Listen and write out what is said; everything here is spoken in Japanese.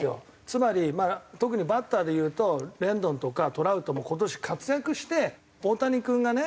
つまり特にバッターで言うとレンドンとかトラウトも今年活躍して大谷君がね